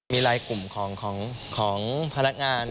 มีลายกลุ่มของพนักงาน